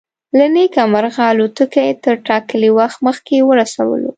له نیکه مرغه الوتکې تر ټاکلي وخت مخکې ورسولو.